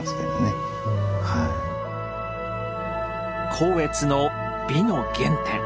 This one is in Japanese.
光悦の美の原点。